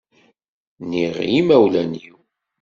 NniƔ i imawlan-iw.